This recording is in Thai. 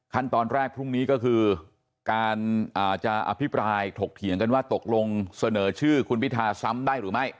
ตอนแรกพรุ่งนี้ก็คือการจะอภิปรายถกเถียงกันว่าตกลงเสนอชื่อคุณพิธาซ้ำได้หรือไม่